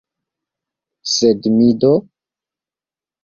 Sed mi do?